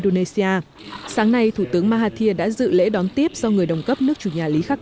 indonesia sáng nay thủ tướng mahathir đã dự lễ đón tiếp do người đồng cấp nước chủ nhà lý khắc